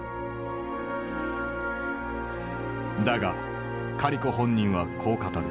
だがカリコ本人はこう語る。